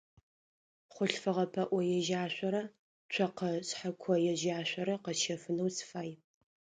Хъулъфыгъэ паӏо ежьашъорэ цокъэ шъхьэко ежьашъорэ къэсщэфынэу сыфай.